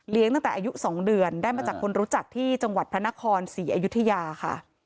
ตั้งแต่อายุ๒เดือนได้มาจากคนรู้จักที่จังหวัดพระนครศรีอยุธยาค่ะ